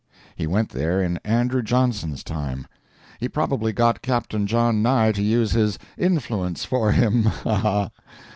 He went there in Andrew Johnson's time. He probably got Captain John Nye to use his "influence" for him—ha! ha!